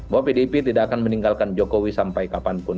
bahwa pdip tidak akan meninggalkan jokowi sampai kapanpun